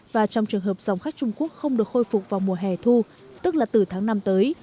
và trong trường hợp dòng khách trung quốc không được khôi phục vào mùa hè thu tức là từ tháng năm tới